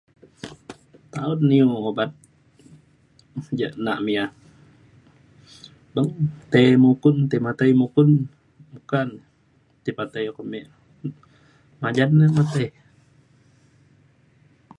iu ubat nak ja me ya. beng tei mukun tei matai mukun meka ne tai patai uko me majan na le tei.